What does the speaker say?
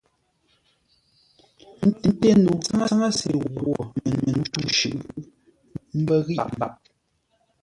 Ńté no tsáŋə́se ghwô mətû shʉʼʉ, ə́ mbə́ ghíʼ mbap.